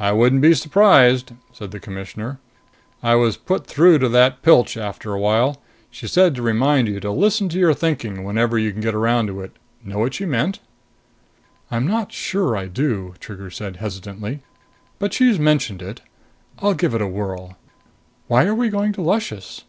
"I wouldn't be surprised," said the Commissioner. "I was put through to that Pilch after a while. She said to remind you to listen to your thinking whenever you can get around to it. Know what she meant?" "I'm not sure I do," Trigger said hesitantly. "But she's mentioned it. I'll give it a whirl. Why are we going to Luscious?"